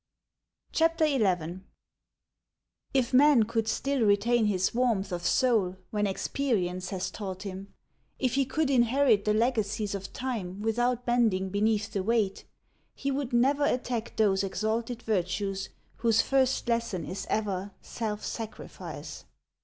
XL Tf man could still retain his warmth of soul when experience has taught him, if he' could inherit the legacies of time without bending beneath the weight, he would never attack those exalted virtues whose first lesson is ever self sacrifice.